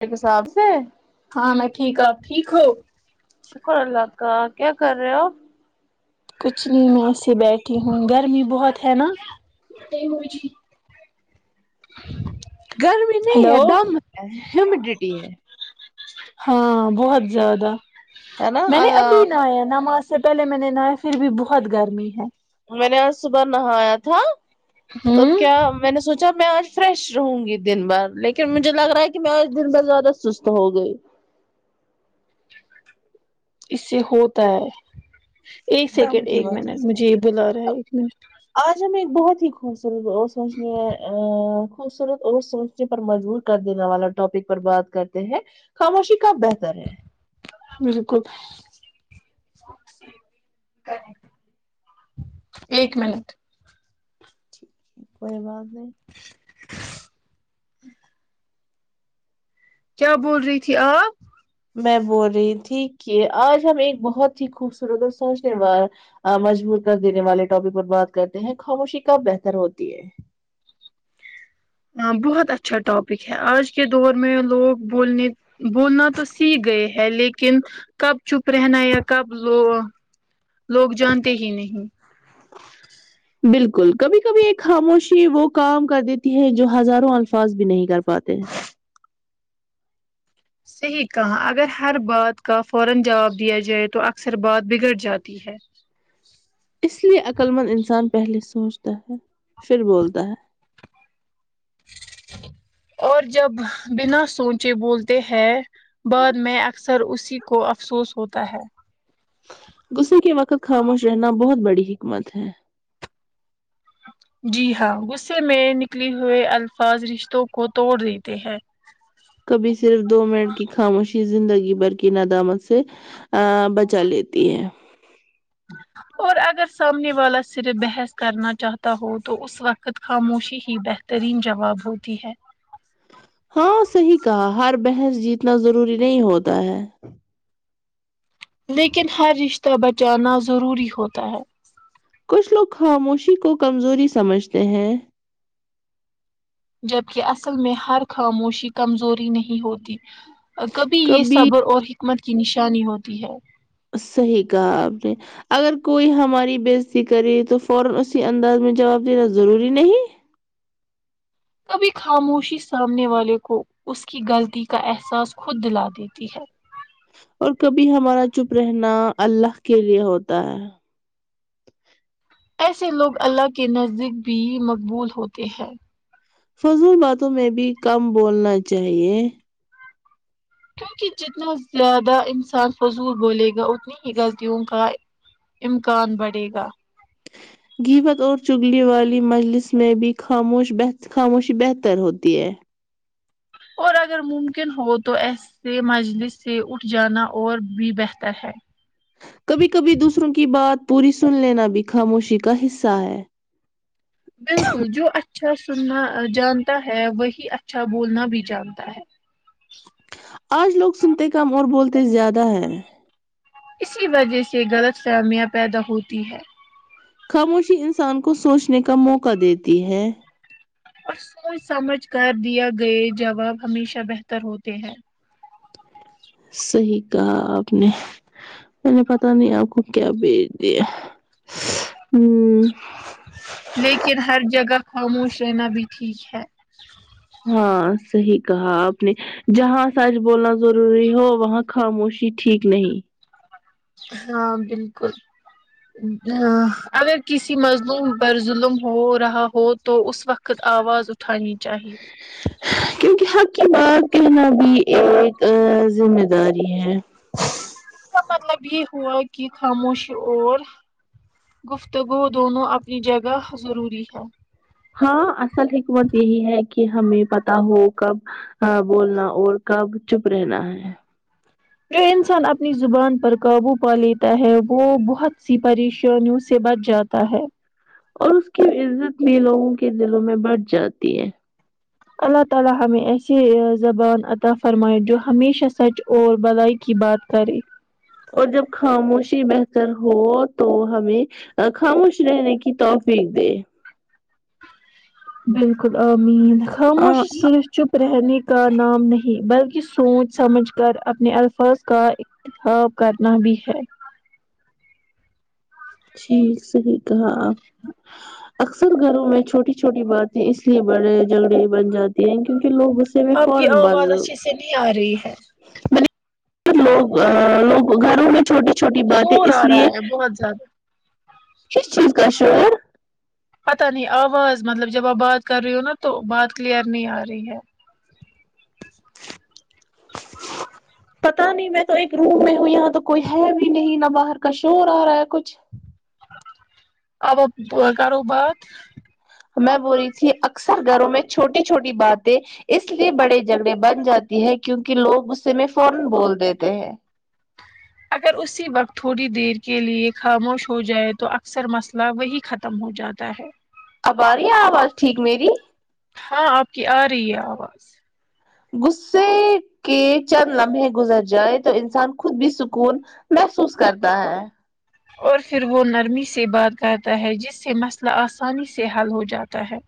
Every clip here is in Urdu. میر کساب سے ہاں میں ٹھیک اپ ٹھیک ہو شکر اللہ کا کیا کر رہے ہو کچھ نہیں موسی بیٹھی ہوں گرمی بہت ہے نا گرمی نہیں ہلو ہے دم ہے ہیمیڈیٹی ہے ہاں بہت زیادہ ہے نا میں نے ابھی نہایا نماز سے پہلے میں نے نایا پھر بھی بہت گرمی ہے میں نے آج صبح نہا آیا تھا تو ہاں کیا میں نے سوچا میں آج فریش رہوں گی دن بھر لیکن مجھے لگ رہا ہے کہ میں آج دن بھر زیادہ سست ہو گئی اس سے ہوتا ہے ایک دم سیکنڈ کی ایک وجہ منٹ مجھے سے یہ بلا رہا ہے ایک منٹ آج ہمیں ایک بہت ہی خوبصورت اور سوچنی ہے خوبصورت اور سوچ پر مجبور کر دینے والا ٹاپک پر بات کرتے ہیں خاموشی کب بہتر ہے بالکل ایک منٹ کوئی بات نہیں کیا بول رہی تھی آپ میں بول رہی تھی کہ آج ہم ایک بہت ہی خوبصورت اور سوش وار مجبور کر دینے والے ٹاپک پر بات کرتے ہیں خاموشی کب بہتر ہوتی ہے ہاں بہت اچھا ٹاپک ہے آج کے دور میں لوگ بولنے بولنا تو سیک گئے ہے لیکن کب چپ رہنا یا کب بو لوگ جانتے ہی نہیں بالکل کبھی کبھی ایک خاموشی وہ کام کر دیتی ہے جو ہزاروں الفاظ بھی نہیں کر پاتے صحیح کہاں اگر ہر بات کا فورا جواب دیا جائے تو اکثر بات بگڑ جاتی تھیک ہے اس لیے عقللمند انسان پہلے سوچتا ہے پھر بولتا ہے اور جب بنا سوچے بولتے ہیں بعد میں اکثر اسی کو افسوس ہوتا ہے غصے کے وقت خاموش رہنا بہت بڑی حکمت ہے جی ہاں غصے میں نکل ہوئے الفاظ رشتوں کو توڑ دیتے ہیں کبھی صرف دو منٹ کی خاموشی زندگی بھر کی ندامت سے ا بچا لیتی ہے اور اگر سامنے والا صرف بحث کرنا چاہتا ہو تو اس وقت خد خاموشی ہی بہترین جواب ہوتی ہے ہاں صحیح کہا ہر بحث جیتنا ضروری نہیں ہوتا ہے لیکن ہر رشتہ بچانا ضروری ہوتا ہے کچھ لوگ خاموشی کو کمزوری سمجھتے ہیں جبکہ اصل میں ہر خاموشی کمزوری نہیں ہوتی کبھی یہ صبر اور حکمت کی نشانی ہوتی ہے صحیح کہا اپنے اگر کوئی ہماری بزتی کرے تو فورا اسی انداز میں جواب دینا ضروری نہیں کبھی خاموشی سامنے والے کو اس کی غلطی کا احساس خود دلا دیتی ہے اور کبھی ہمارا چپ رہنا الله کے لیے ہوتا ہے ایسے لوگ اللہ کے نزدیک بھی مقبول ہوتے ہیں فضول باتوں میں بھی کم بولنا چاہیے کیونکہ جتنا زیادہ انسان فضول بولے گا اتنی ہی غلطیوں کا امکان بڑھے گا گباتھ اور چگلی والی مجلس میں بھی خاموش خاموشی بہتر ہوتی ہے اور اگر ممکن ہو تو ایسے مجلس سے اٹھ جانا اور بھی بہتر ہے کبھی کبھی دوسروں کی بات پوری سن لینا بھی خاموشی کا حصہ ہے بالکل جو اچھا سننا جانتا ہے وہی اچھا بولنا بھی جانتا ہے آج لوگ سنتے کام اور بولتے زیادہ ہے اسی وجہ سے غلط فہمیاں پیدا ہوتی ہے خاموشی انسان کو سوچنے کا موقع دیتی ہے اور سوچ سمجھ کر دیا گئے جواب ہمیشہ بہتر ہوتے ہیں صحیح کہا آپ نے میں نے پتا نہیں آپ کو کیا بھیج دیا ہوں لیکن ہر جگہ خاموش رہنا بھی ٹھیک ہے ہاں صحیح کہا آپ نے جہاں سچ بولنا ضروری ہو وہاں خاموشی ٹھیک نہیں ہاں بالکل ہاں اگر کسی مظلوم پر ظلم ہو رہا ہو تو اس وقت آواز اٹھانی چاہیے کیونکہ حق کی بات کہنا بھی ایک ذمہ داری ہے اس کا مطلب یہ ہوا کہ خاموشی اور گفتگو دونوں اپنی جگہ ضروری ہے ہاں اصل حکمت یہی ہے کہ ہمیں پتا ہو کب کہاں بولنا اور کب چپ رہنا ہے وے انسان اپنی زبان پر کابو پا لیتا ہے وہ بہت سی پریشانیوں سے سے بچ جاتا ہے اور اس کی عزت بھی لوگوں کے دلوں میں بڑھ جاتی ہے اللہ تعالی ہمیں ایسے زبان عطا فرماے جو ہمیشہ سچ اور بلای کی بات کریں اور جب خاموشی بہتر ہو تو ہمیں خاموش رہنے کی توفیق دے بالکل امین ہاں خاموشی صرف چپ ریہنی کا نام نہیں بلکہ کی سوچ سمجھ کر اپنے الفاظ کا اتخاب کرنا بھی ہے ٹھیک صحیح کہا اکثر گھروں میں چھوٹی چھوٹی باتیں اس لیے بڑے جھگڑے بن جاتی ہیں کیونکہ لوگ اس غصے میں آپ کی فورن بادل آواز اچھے سے نہیں آ رہی ہے لوگ لوگ گھروں میں چھوٹی چھوٹی باتیں اس لیے ہزار کس چیز کا شور پتہ نہیں آواز مطلب جب آپ بات کر رہی ہو نا تو بات کلیئیر نہیں آ رہی ہے پتا نہیں میں تو ایک روم میں ہوں یہاں تو کوئی ہے بھی نہیں نہ باہر کا شور آ رہا ہے کچھ اب آپ کرو بات میں بول رہی تھی اکثر گھروں میں چھوٹی چھوٹی باتیں اس لیے بڑے جھگڑے بن جاتی ہے کیونکہ لوگ غصے میں فورن بول دیتے ہیں اگر اسی وقت تھوڑی دیر کے لیے خاموش ہو جائے تو اکثر مسئلہ وہی ختم ختم ہو جاتا ہے اب آرہی ہے آواز ٹھیک میری ہاں آپ کی آ رہی ہے آواز غصے کے چند لمحے گزر جائیں تو انسان خود بھی سکون محسوس کرتا ہے اور پھر وہ نرمی سے بات کرتا ہے جس سے مسئلہ آسانی سے حل ہو جاتا ہے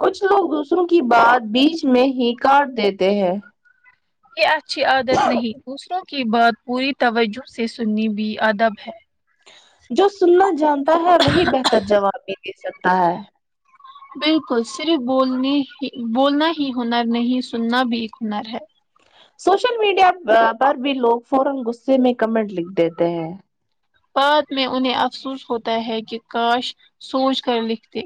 کچھ لوگ دوسروں کی بات بیچ میں ہی کاٹ دیتے ہیں یہ اچھی عادت نہیں دوسروں کی بات پوری توجہ سے سنی بھی ادب ہے جو سنا جانتا ہے وہی بہتر جواب بھی دے سکتا ہے بالکل صرف بولنی ہی بولنا ہی ہنر نہیں سننا بھی ایک ہنر ہے سوشل میڈیا پر بھی لوگ فورن غصے میں کمنٹ لکھ دیتے ہیں بعد میں انہیں افسوس ہوتا ہے کہ کاش سوچ کر لکھتے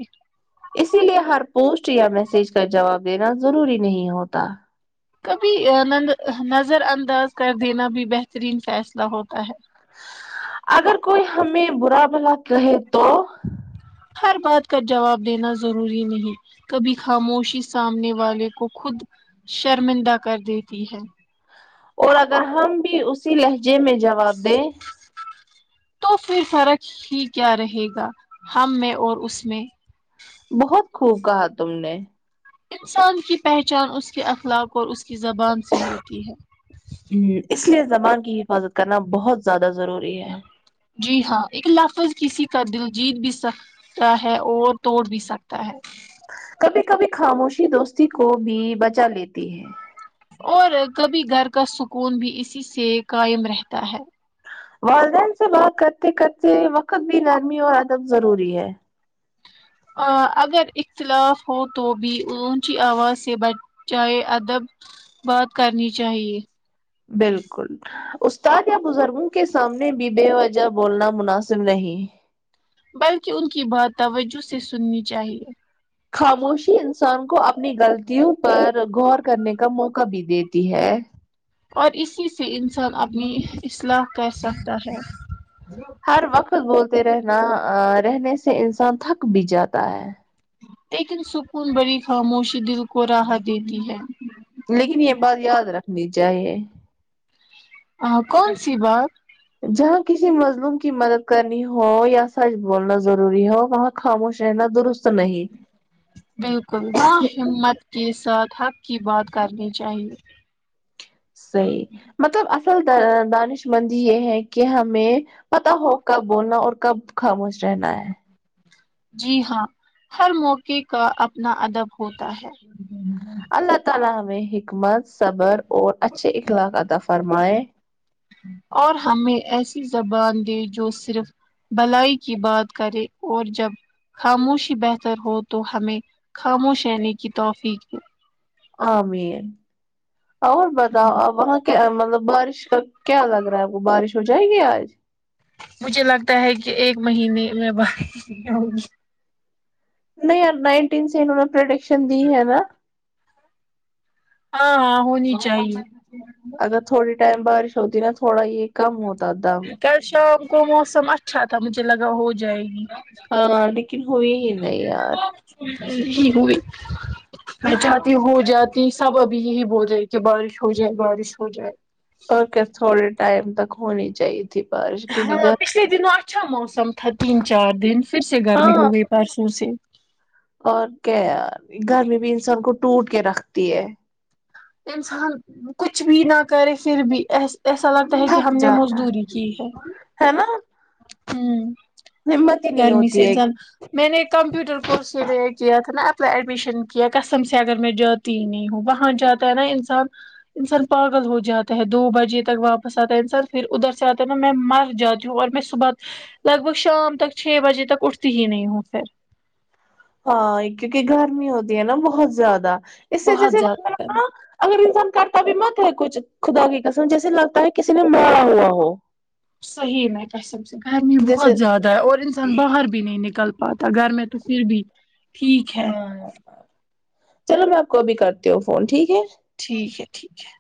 اسی لیے ہر پوسٹ یا میسج کا جواب دینا ضروری نہیں ہوتا کبھی نظر انداز کر دینا بھی بہترین فیصلہ ہوتا ہے اگر کوئی ہمیں برا بلا کہے تو ہر بات کا جواب دینا ضروری نہیں کبھی خاموشی سامنے والے کو خود شرمندہ کر دیتی ہے اور اگر ہم بھی اسی لہجے میں جواب دیں تو پھر فرق ہی کیا رہے گا ہم میں اور اس میں بہت خوب کہا تم نے انسان کی پہچان اس کے اخلاق اور اس کی زبان سے ہوتی ہے ہم اس لیے زبان کی حفاظت کرنا بہت زیادہ ضروری ہے جی ہاں ایک لفظ کسی کا دل جیت بھی سک تا ہے اور توڑ بھی سکتا ہے کبھی کبھی خاموشی دوستی کو بھی بچا لیتی ہے اور کبھی گھر کا سکون بھی اسی سے قائم رہتا ہے والدین سے بات کرتے کرتے وقت بھی نرمی اور ادب ضروری ہے اگر اختلاف ہو تو بھی اونچی آواز سے بات جاہے ادب بات کرنی چاہیے بالکل استاد یا بزرگوں کے سامنے بھی بے وجہہ بولنا مناسب نہیں بلکہ ان کی بات توجہ سے سننی چاہیے خاموشی انسان کو اپنی غلطیوں پر غور کرنے کا موقع بھی دیتی ہے اور اسی سے انسان اپنی ہ اصلاح کر سکتا ہے ہر وقت بولتے رہنا ا رہنے سے انسان تھک بھی جاتا ہے لیکن سکون بڑی خاموشی دل کو راحت دیتی ہے لیکن یہ بات یاد رکھنی چاہیے ہاں کون سی بات جہاں کسی مظلوم کی مدد کرنی ہو یا سچ بولنا ضروری ہو وہاں خاموش رہنا درست نہیں بالکل با ہمت کے ساتھ حق کی بات کرنی چاہیے صحیح مطلب اصل د دانش مندی یہ ہے کہ ہمیں پتا ہو کب بولنا اور کب خاموش رہنا ہے جی ہاں ہر موقع کا اپنا ادب ہوتا ہے اللہ تعالی ہمیں حکمت صبر اور اچھے اخلاق اتہ فرمائے اور ہمیں ایسی زبان دے جو صرف بھلائی کی بات کرے اور جب خاموشی بہتر ہو تو ہمیں خاموش رہنے کی توفیق دے امین اور بتاؤ آپ وہاں کیا مطلب بارش کا کیا لگ رہا ہے آپ کو بارش ہو جائے گی آج مجھے لگتا ہے کہ ایک مہینے میں بارش کیا ہوگی نہیں یار نائنٹین سے انہوں نے پریڈکشن دی ہے نا ہاں ہاں ہونی چاہیے اگر تھوڑی ٹائم بارش ہوتی نا تھوڑا یہ کم ہوتا دام کل شام کو موسم اچھا تھا مجھے لگا ہو جائے گی ہاں لیکن ہوئی ہی نہیں یار جی [unintelligible] میں چاہتی ہو جاتی سب ابھی یہی بول رہے کہ بارش ہو جائے بارش ہو جائے اوکے تھوڑے ٹائم تک ہونی چاہیے تھی بارش کیونکہ گھر کتنا اچھا موسم تھا تین چار دن پھر سے گرمی ہاں ہو گئی پرسوں سے اور کیا یار گرمی بھی انسان کو ٹوٹ کے رکھتی ہے انسان ک کچھ بھی نہ کرے پھر بھی ا ایسا لگتا ہے کہ تھک ہم نے جاتا مزدوری کی ہے ہے نا ہوں ہمت ہی نہیں گرمی سے ہوتی ہے انساں میں نے کمپیوٹر کورس کے لیے کیا تھا نا اپلائی ایڈمیشن کیا قسم سے اگر میں جاتی نہیں ہوں وہاں جاتا ہے نا انسان انسان پاگل ہو جاتا ہے دو بجے تک واپس آتا ہے انسان پھر ادھر سے آتا ہے نا میں مر جاتی ہوں اور میں لگ بھگ شام تک چھ بجے تک اٹھتی ہی نہیں ہوں پھر ہاں کیونکہ گرمی ہوتی ہے نا بہت زیادہ اس سے جیسے بہت زیادہ گرمی [unintelligible] اگر انسان کرتا بھی مت ہے کچھ خدا کی قسم جیسے لگتا ہے کسی نے مارا ہوا ہو صحیح میں کسم سے گرمی جیسے بہت زیادہ ہے اور انسان باہر بھی نہیں نکل پاتا گھر میں تو پھر بھی ٹھیک ہے چلو میں آپ کو ابھی کرتی ہوں فون ٹھیک ہے ٹھیک ہے ٹھیک ہے